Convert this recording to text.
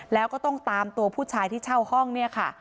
แล้วก็ต้องตามตัวผู้ชายที่เช่าห้องเนี่ยค่ะ